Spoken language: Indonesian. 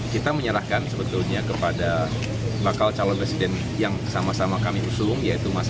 kita menyerahkan sebetulnya kepada bakal calon presiden yang sama sama kami usung yaitu mas